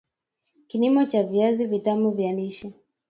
kilimo cha viazi vitam vya lishe